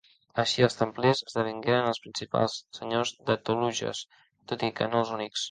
Així, els templers esdevingueren els principals senyors de Toluges, tot i que no els únics.